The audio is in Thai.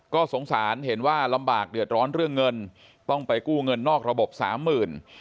ก็สงสารเห็นว่าลำบากเดือดร้อนเรื่องเงินต้องไปกู้เงินนอกระบบสามหมื่น